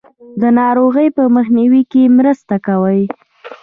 د ناروغیو په مخنیوي کې مرسته کوي.